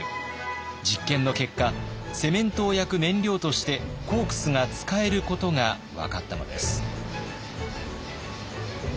実験の結果セメントを焼く燃料としてコークスが使えることが分かったのです。